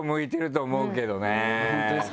本当ですか？